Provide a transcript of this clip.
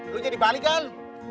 lu jadi balikan